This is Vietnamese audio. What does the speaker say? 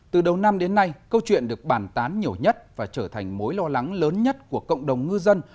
từ đầu năm đến nay câu chuyện được bản tán nhiều nhất và trở thành mối lo lắng lớn nhất của cộng đồng ngư dân